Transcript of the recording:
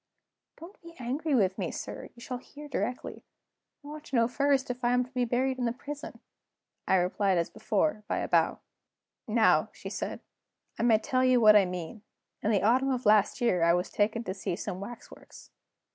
"Don't be angry with me, sir; you shall hear directly. I want to know first if I am to be buried in the prison?" I replied as before, by a bow. "Now," she said, "I may tell you what I mean. In the autumn of last year I was taken to see some waxworks.